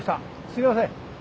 すいません。